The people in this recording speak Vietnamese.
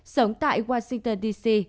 sống tại washington dc